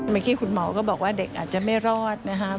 เมื่อกี้คุณหมอก็บอกว่าเด็กอาจจะไม่รอดนะครับ